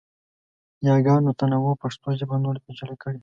یاګانو تنوع پښتو ژبه نوره پیچلې کړې.